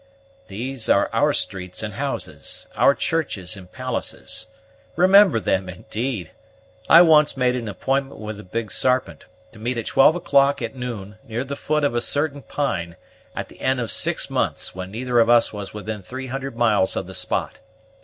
"These are our streets and houses, our churches and palaces. Remember them, indeed! I once made an appointment with the Big Sarpent, to meet at twelve o'clock at noon, near the foot of a certain pine, at the end of six months, when neither of us was within three hundred miles of the spot.